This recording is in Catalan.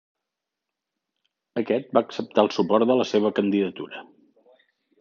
Aquest va acceptar el suport de la seva candidatura.